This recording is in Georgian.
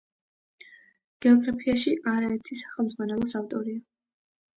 გეოგრაფიაში არაერთი სახელმძღვანელოს ავტორია.